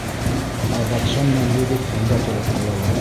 Ә батша менән егет бында тороп ҡалалар.